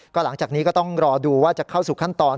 ก็หลังจากนี้ก็ต้องรอดูว่าจะเข้าสู่ขั้นตอน